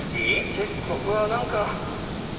結構うわ！何か。